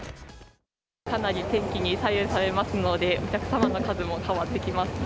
かなり天気に左右されますので、お客様の数も変わってきますね。